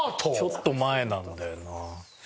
ちょっと前なんだよな。